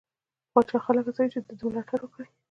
پاچا خلک هڅوي چې دې ده ملاتړ وکړي.